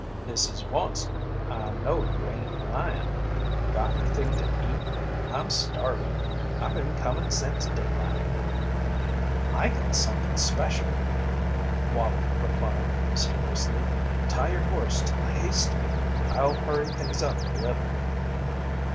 "This is onct I know you ain't lyin'. Got anything to eat? I'm starvin'. I been comin' sence daylight." "I got something special," Wallie replied, mysteriously. "Tie your horse to the haystack. I'll hurry things up a little."